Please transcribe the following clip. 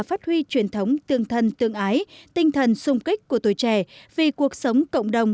phát huy truyền thống tương thân tương ái tinh thần sung kích của tuổi trẻ vì cuộc sống cộng đồng